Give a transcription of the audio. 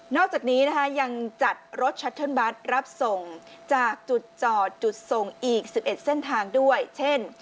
อกจากนี้นะคะยังจัดรถชัตเทิร์นบัตรรับส่งจากจุดจอดจุดส่งอีก๑๑เส้นทางด้วยเช่น